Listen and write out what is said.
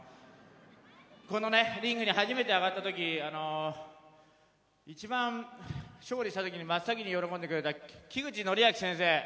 このリングに初めて上がった時一番勝利したとき真っ先に喜んでくれた先生